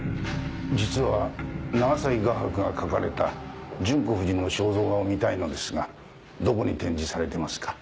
実は長崎画伯が描かれた純子夫人の肖像画を観たいのですがどこに展示されてますか？